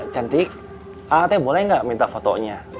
cantik aa te boleh gak minta fotonya